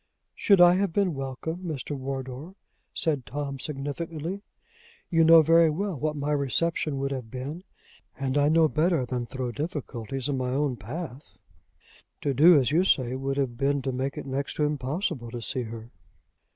"Should I have been welcome, Mr. Wardour?" said Tom, significantly. "You know very well what my reception would have been; and I know better than throw difficulties in my own path. To do as you say would have been to make it next to impossible to see her."